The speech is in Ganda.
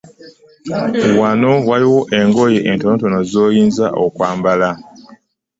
Wano waliwo engoye entonotono z'oyinza okwambalako.